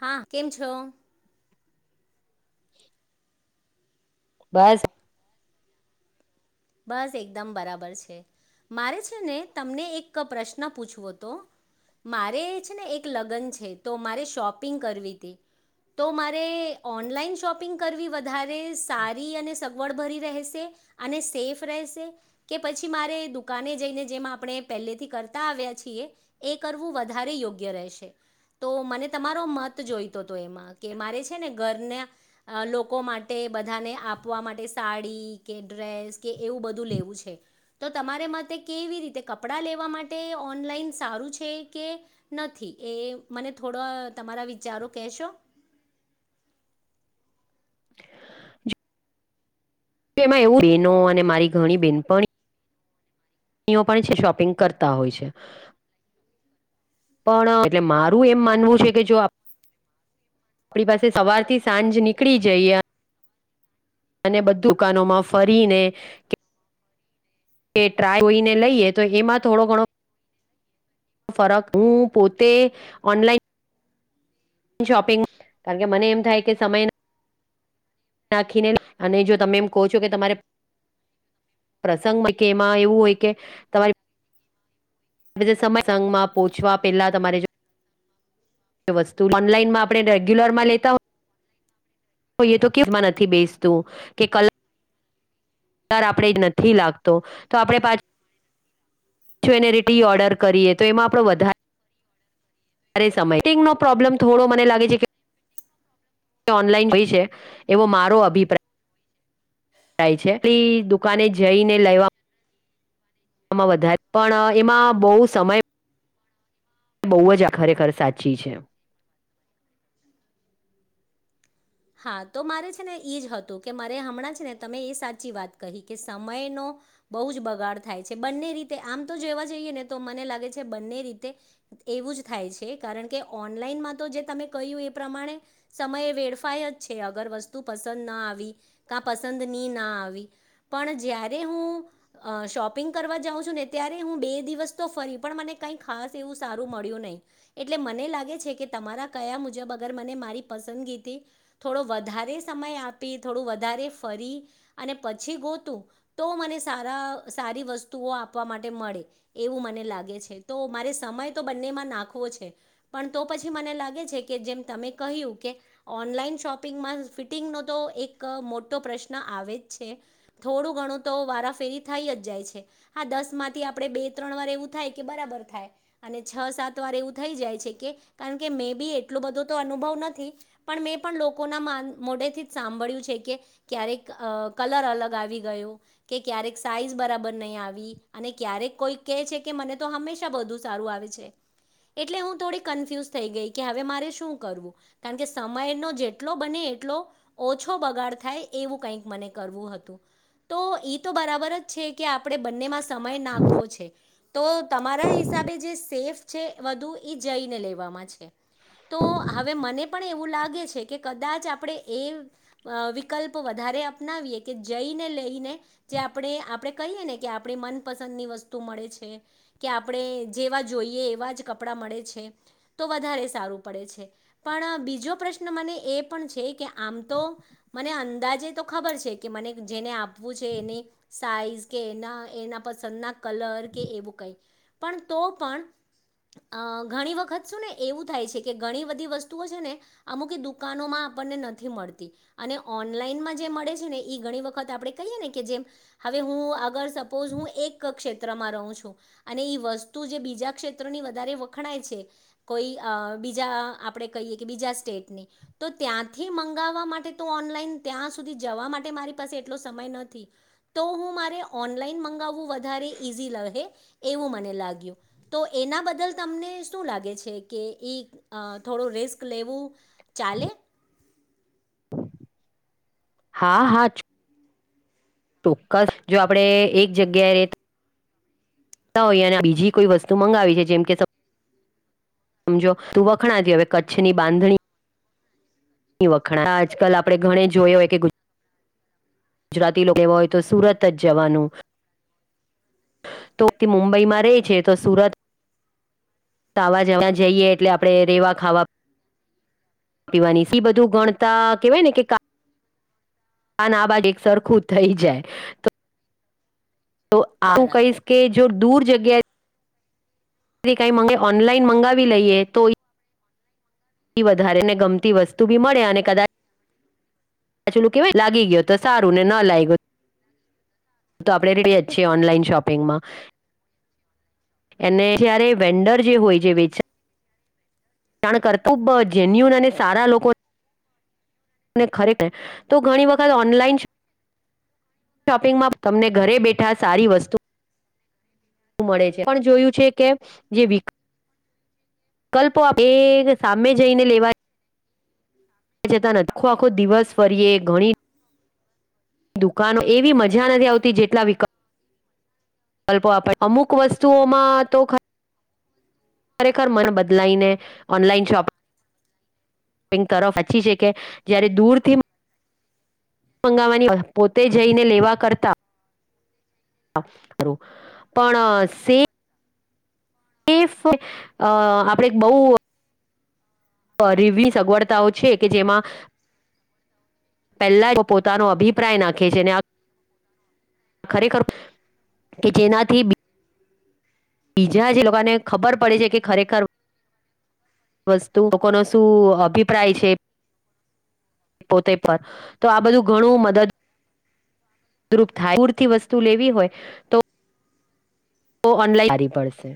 હા કેમ છો? બસ. બસ એકદમ બરાબર છે. મારે છે ને તમને એક પ્રશ્ન પૂછવો તો? મારે છે ને એક લગ્ન છે તો મારે શોપિંગ કરવી હતી. તો મારે ઓનલાઈન શોપિંગ કરવી વધારે સારી અને સગવડ ભરી રહેશે? અને સેફ કે પછી મારે દુકાને જઈને જેમ આપણે પહેલેથી કરતા આવ્યા છીએ? કરવું વધારે યોગ્ય રહેશે. તો મને તમારો મત જોઈતો હતો એમાં કે મારે છે ને ઘરના લોકો માટે બધાને આપવા માટે સાડી કે ડ્રેસ એવું બધું લેવું છે તો તમારે મતે કેવી રીતે કપડા લેવા માટે ઓનલાઈન સારું? કે નથી એ મને થોડાો તમારા વિચારો કેહેશો? [inaudible] એમાં એવું બહેનો અને મારી ઘણી બેહેન પણ બહેનપણીઓ પણ છે શોપિંગ કરતા હોય છે. પણ એટલે મારું એમ માનવું છે કે જો આપણી પાસે સવારથી સાંજ નીકળી જઈએ. અને બધું કનોમાં ફરીને કે ટ્રાય જોઈને લઈએ તો એમાં થોડો ઘણો ફરક હું પોતે ઓનલાઈન ન શોપિંગ કારણ કે મને એમ થાય કે સમય નાખીને અને જો તમે એમ કહો છો કે તમારે પ્રસંગમાંય કે એમાં એવું હોય કે તમારી આ બીધ સમર્સંગમાં પહોંચવા પહેલાં તમારે જો [unintelligible] વસ્તુ ઓનલાઈનમાં આપણે રેગ્યુલરમાં લેતા હોય. એ તો કેમાં નથી બેસતું કે કલા આપણે નથી લાગતો તો આપણે પાછી જ્વેલરી ઓર્ડર કરીએ તો એમાં આપણે વધારે સમય ફિટિંગનો પ્રોબ્લેમ થોડો મને લાગે છે કે ઓનલાઈન જોઈ છે એવો મારો અભિપ્રાય. છે પછી દુકાને જઈને લેવા વધારે પણ એમાં બહુ સમય એ બહુ જ આખરેખર સાચી છે. હા તો મારે છે ને એ જ હતું કે મારે હમણાં છે ને તમે એ સાચી વાત કહી કે સમયનો બહ જ બગાડ થાય છે, બંને રીતે આમ તો જોવા જઈએ ને તો મને લાગે છે બંને રીતે એવું જ થાય છે કારણ કે ઓનલાઈનમાં તો જે તમે કહ્યું એ પ્રમાણે સમયે વેડફ અગર વસ્તુ પસંદ ના આવી, ક પસંદ ન ના આવી પણ જ્યારે શોપિંગ કરવા જાઉં છું ને ત્યારે હું બે દિવસ તો ફરી પણ મને કઈ ખાસ એવું સારું મળ્યું નહીં એટલે મને લાગે છે કે તમારા કયા મુજબ અગર મને મારી પસંદગી થી થોડો વધારે સમય આપી થોડું વધારે ફરી અને પછી ગોતું તો તો મને સારી વસ્તુઓ આપવા માટે મળે એવું મને લાગે છે તો મારે સમય તો બંને નાખો છે પણ તો પછી મને લાગે છે કે જેમ તમે કહ્યું કે ઓનલાન શોપિંગ ફિટિંગ નો તો એક મોટો પ્રશ્ન આવે જ છે થોડું ઘણું તો વા વારાફેરી થઈ જ જાય છે હ દસ માંથી આપ બે ત્રણ વાર એવું થાય કે બરાબર થાય અને છ સાત વાર એવું થઈ જાય છે કે કારણ કે મેં બી એટલો બધો તો અનુભવ નથી પણ મે બી પણ લોકો ના મોઢેથી જ સાંભળ્યું છે કે ક્યારેક કલર અલગ આવી ગયો. કે ક્યારેક સાઈઝ બરાબર નહી આવી અને ક્યારેક કોઈ કેહે છે કે મને તો હંમેશા બધુ સારું આવે એટલે હું થોડી કન્ફ્યુઝ થઈ ગઈ કે હવે મારે શું કરવું કારણ કે સમય નો જ જેટલો બને એટલો ઓછો બગાડ થાય એવું કઈક મને કરવું હતું. તો ઈ તો બરાબર જ છે કે આપણેે બંનેમાં સમય નાખવો છે. તો તમારા હિસાબે જે સેફ છે વધુ એ જઈને લેવામાં છે. તો હવે મને પણ એવું લાગે છે. કે કદાચ આપણે એ વિકલ્પ વધારે અપનાવીએ કે જઈને લઈને જે આપણે આપણે કહીએ ને કે આપણી મનપસંદની વસ્તુ મળે છે કે આપણે જેવા જોઈએ. એવા જ કપડા મળે છે તો વધારે સારું પડે છે પણ બીજો પ્રશ્ન મને એ પણ છે કે આમ તો મને અંદાજે તો ખબર છે કે મને જેને આપવું છે એની સાઈઝ કે એના એના પસંદ ના કલર કે એવું કઈ પણ તો પણ અ ઘણી વખત શું ને એવું થાય છે કે ઘણી બધી વસ્તુઓ છે ને અમુક દુખ દુનોમાં આપણને નથી મળતી અને ઓનલાઈનમાં જે મળે છે, ને એ ઘણી વખત આપણે કહીએ ને કે જે હવે હું અગર સપોઝ હું એક ક્ષેત્ર માં રહું છું અને વસ્તુ બીજા ક્ષેત્રની વધારે વખણાય છે, કોઈ બીજા આપણે કહીએ કે બીજા સ્ટેટ ની તો ત્યાંથી મંગાવવા માટે તો ઓનલાઈન ત્યાં સુધી જવા માટે મારી પાસે એટલો સમય નથી. તો હું મારે ઓનલાઈન મંગાવવું વધારે ઈઝી લ હે એવું મને લાગ્યું તો એના બદલ તમને શું લાગે છે કે થોડો રિસ્ક લેવું ચાલે? હા હા. ચોક્કસ જો આપણે એક જગ્યાએ રહેતા હોઈ અને બીજી કોઈ વસ્તુ મંગાવી છે, જેમ કે સપોઝ સમજો તું વખણાતી હવે કચ્છની બાંધણી ઘ વખાણ આજકાલ આપણે ઘણે જોયો હો કે ગુજરાતી લોકો હોય તો સુરત જ જવાનું તો તે મુંબઈમાં રહે છે તો સુરત તવા જવા જઈએ એટલે આપણે રેવા ખાવા પીવાની સી બધું ગણતા કેવાય ને કેા કન આ બાજ એક સરખું થઈ જાય તો તો હું બરાબર કહીશ કે જો દૂર જગ્યા મારી કંઈ મંગ ઓનલાઈન મંગાવી લઈએ તો થી વધારે ને ગમતી વસ્તુ બી મળે અને કદાચ પાછલું કેવાય લાગી ગયો તો સારું ને ન લાઈગો તો આપણે રેડી જ છીએ ઓનલાઈન શોપિંગમાં એને જ્યારે વેન્ડર જે હોય જે વેચા જાણ કરતૂબ જેન્યુન અને સારા લોકો અને ખરે પે તો ઘણી વખત ઓનલાઈન શોપિંગમાં તમને ઘરે બેઠા સારી વસ્તુ મળે છે પણ જોયું છે કે જે વિક વિકલ્પો એ સામે જઈને લેવા અ ચેતાન આખો આખો દિવસ ફરીએ ઘણી દુકાનો એવી મજા નથી આવતી જેટલા વિકલ્પ વિકલ્પ આપ અમુક વસ્તુઓમાં તો ખરેખર ખરેખર મન બદલાઈને ઓનલાઈન શોપિંગ શૉપિંગ તરફ હચી છે કે જ્યારે દૂરથી મંગાવવાની પોતે જઈને લેવા કરતા હા ખારું પણ સે સેફ અ આપણેે બહુ પરવી સગવડતાઓ છે કે જેમાં પહેલા તે પોતાનો અભિપ્રાય નાખે છેને આ ખરેખર કે તેનાથી બીજા જે લોકોને ખબર પડે છે કે ખરેખર વસ્તુ લોકોનો શું અભિપ્રાય છે. પોતે પર તો આ બધું ઘણું મદદ મદદરૂપ થાય પૂરથી વસ્તુ લેવી હોય તો તો ઓનલાઈન કરવી પડશે.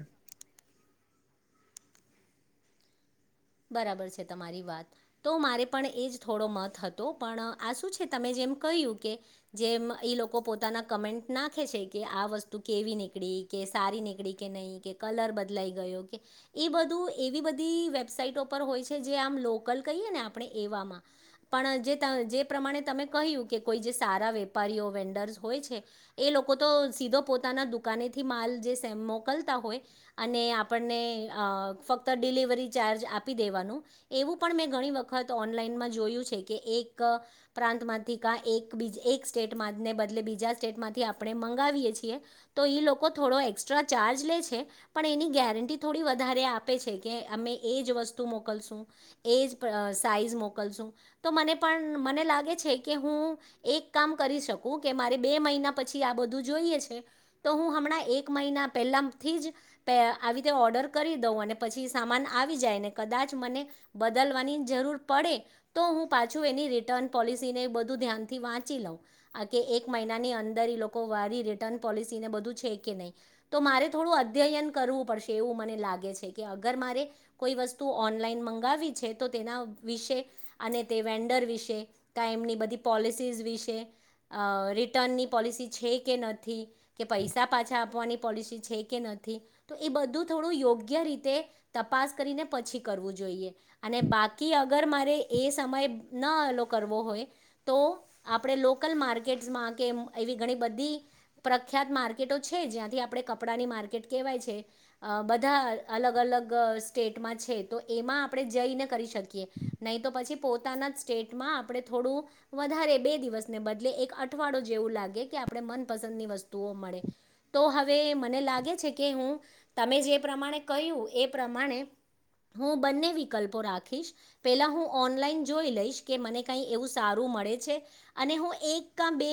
બરાબર છે તમારી વાત તો મારે પણ એ જ થોડો મત હતો પણ આ શું છે તમે જે એ કહ્યું કે જેમ ઈ લોકો પોતાના કમેન્ટ નાખે છે કે આ વસ્તુ કેવી નીકળી કે સારી નીકળી કે નહી કે કલર બદલાઈ ગયો કે એ બધું એવી બધી વેબસાઇટ ઉપ હોય છે જે આમ લોકલ કહીએ ને આપણે એવામાં પણ જે પ્રમાણે તમે કહ્યું કે કોઈ જે સારા વેપારીઓ વેન્ડર્સ હોય છે એ લોકો તો સીધો પોતાના દુકાને થી માલ જે મોકલતા હોય અને આપણને ફક્ત ડિલિવરી ચાર્જ આપી દેવા મે વખત જોયું ઓનલાઇનમાં જોયું છે કે એક માંથી કા એક સ્ટેટને બદલે બીજા સ્ટેટમાંથી આપણે મંગાવીએ છીએ તો એ લોકો થોડો એક્સ્ટ્રા ચાર્જ લે છે પણ એની ગેરંટી થોડી વધારે આપે છે કે અમે એજ વસ્તુ મોકલશું એજ સાઈઝ મોકલશું તો મને પણ મને લાગે છે. કે હું એક કામ કરી શકું કે મારે બે મહિના પછી આ બધું જોઈએ છે તો હું હું હમણાં એક મહિના પેલામથી જ આવી રીતે ઓર્ડર કરી દઉં અને પછી સામાન આવી જાય ને કદાચ મને બદલવાની જરૂર પડે તો હું પાછું એની રિટર્ન પોલિસી બેસી ને બધું ધ્યાનથી વાંચી લવ આ કે એક મહિનાની અંદર વારી રિટર્ન પોલસીને બધું છે કે નહીં તો મારે થોડું અધ્યયન કરવું પડશે એવું મને લાગે છે કે અગર મારે કોઈ વસ્તુ ઓનલાઈન મંગાવી છે તો તેના વિશે અને તે વેન્ડર વિશે કંઇ એમની બધી પોલસીસ વિશે રિટર્નની પોલિસી છે કે નથી કે પૈસા પૈસા પાછા આપવાની પોલિસી છે કે નથી તો એ બધું થોડું યોગ્ય રીતે તપાસી તપાસ કરીને પછી કરવું જોઈએ અને બાકી અગર મારે એ સમય ન આલો કરવો. હોય તો આપણે લોકલ માર્કેટમાં કે એવી ઘણી બધી પ્રખ્યાત માર્કેટો છે જ્યાંથી આપણે કપડાની માર્કેટ કહેવાય છે બધા અલગ અલગ સ્ટેટમાં છે તો એમાં આપણે જઈને કરી શકીએ નહી તો પછી પોતાના સ્ટેટમાં આપણે થોડું વધારે બે દિવસને બદલે એક અઠવાડો જેવું લાગે કે આપણે મનપસંદની વસ્તુ ઓ મળે તો હવે મને લાગે છે કે હું તમે જે પ્રમાણે કહ્યું. એ પ્રમાણે હું બંને વિકલ્પો રાખીશ પેલા હું ઓનલાઈન જોઈ લઈશ કે મને કઈ એવું સારું મળે છે અને હું એક ક બે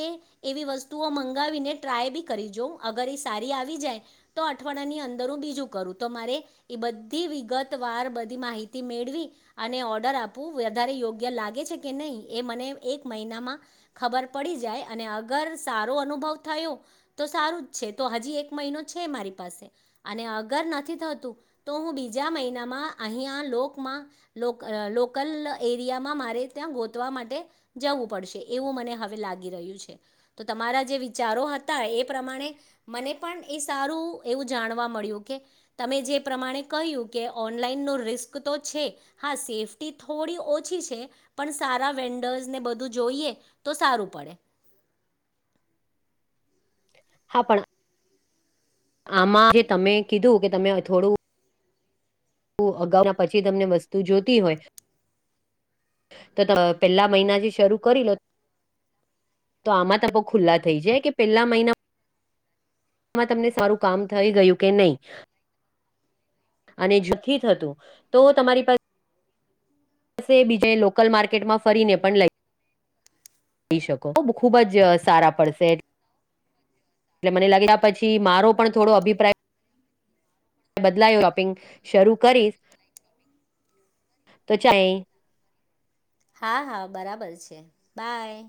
એવી વસ્તુઓ મંગાવીને ટ્રાય બી કરી જાઉ અગર એ સારી આવી જાય તો અઠવાડિયા ની અંદર હું બીજું કરું તો મારે એ બધી વિગતવાર બધી માહિતી મેળવી અને ઓર્ડર આપવું વધારે યોગ્ય લાગે છે. કે નહી એ મને એક મહિનામાં ખબર પડી જાય અને અગર સારો અનુભવ થયો. તો સારું જ છે તો હજી એક મહિનો છે મારી પાસે અને અગર નથી થતું. તો હું બીજા મહિનામાં અહીંયા લોકમાં લોક લોકલ એરિયામાં મારે ત્યાં ગોતવા માટે જવું પડશે એવું મને હવે લાગી રહ્યું છે, તો તમારા જે વિચારો હતા. એ પ્રમાણે મને પણ એ સારું એવું જાણવા મળ્યું કે તમે જે પ્રમાણે કહ્યું કે ઓનલાઈન નો રિસ્ક તો છે હા સેફ્ટી થોડી ઓછી છે. પણ સારા વેન્ડર્સ ને બધું જોઈએ તો સારું પડે. હા પણ આમાં જે તમે કીધું કે તમે થોડું અગાઉના પછી તમને વસ્તુ જોતી હોય. તો પેલા મહિના જે શરૂ કરી લો તો આમાં તપ ખુલ્લા થઈ જાય કે પેલા મહિના પહેલા મહિનામાં તમને સારું કામ થઈ ગયું કે નઈ અને જથી થતું તો તમારી પાસે બસે એ બીજાએ લોકલ માર્કેટમાં ફરીને પણ લઈ જોઈ શકો ખુબ જ સારા પડશે. એટલે મને લાગ્યા પછી મારો પણ થોડો અભિપ્રાય હ, બદલાયું રોપિંગ શરૂ કરીશ. તો ચાએ હા હા બરાબર છે, બાય.